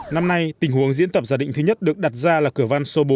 năm nay tình huống diễn tập giả định thứ nhất được đặt ra là cửa van số bốn